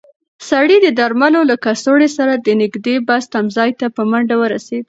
سړی د درملو له کڅوړې سره د نږدې بس تمځای ته په منډه ورسېد.